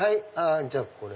じゃあこれ。